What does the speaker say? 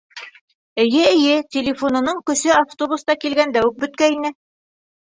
Эйе, эйе, телефонының көсө автобуста килгәндә үк бөткәйне.